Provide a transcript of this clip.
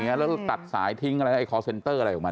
อย่างนี้แล้วก็ตัดสายทิ้งอะไรคอร์สเซ็นเตอร์อะไรของมัน